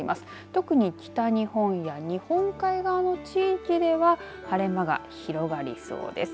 特に北日本や日本海側の地域では晴れ間が広がりそうです。